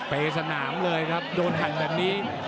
สนามเลยครับโดนหั่นแบบนี้